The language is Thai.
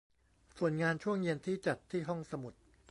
ส่วนงานช่วงเย็นที่จัดที่ห้องสมุด